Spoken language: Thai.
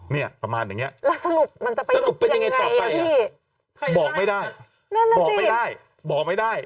เนี่ยประมาณอย่างเงี้ยแล้วสรุปมันจะไปยังไงบอกไม่ได้บอกไม่ได้